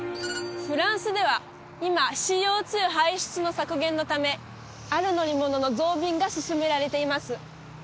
フランスでは今ＣＯ２排出の削減のためある乗り物の増便が進められています